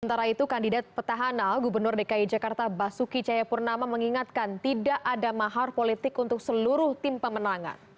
sementara itu kandidat petahana gubernur dki jakarta basuki cahayapurnama mengingatkan tidak ada mahar politik untuk seluruh tim pemenangan